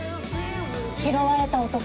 「拾われた男」。